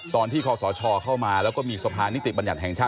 คศเข้ามาแล้วก็มีสภานิติบัญญัติแห่งชาติ